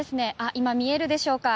今、見えるでしょうか。